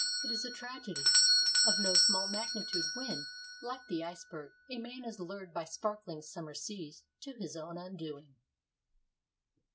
It is a tragedy of no small magnitude when, like the iceberg, a man is lured by sparkling summer seas to his own undoing.